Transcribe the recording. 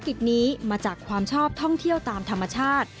กิจนี้มาจากความชอบท่องเที่ยวตามธรรมชาติ